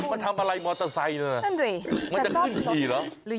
มันทำอะไรมันทำอะไรมอเตอร์ไซ์นั่นมันจะขี่หรอกนั่นสิ